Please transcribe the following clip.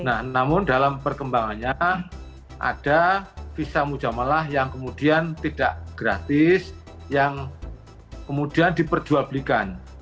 nah namun dalam perkembangannya ada visa mujamalah yang kemudian tidak gratis yang kemudian diperjualbelikan